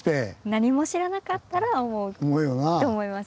何も知らなかったら思うと思います。